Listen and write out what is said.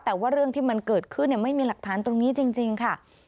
แต่ว่าเรื่องที่มันเกิดขึ้นไม่มีหลักฐานตรงนี้จริงค่ะ